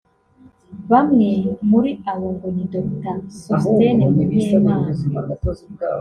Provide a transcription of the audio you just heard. Bamwe muri abo ngo ni Dr Sosthène Munyemana